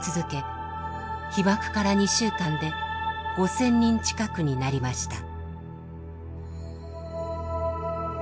被爆から２週間で５，０００人近くになりました。